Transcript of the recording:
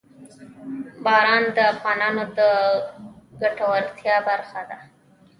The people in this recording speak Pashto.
باران د افغانانو د ګټورتیا برخه ده.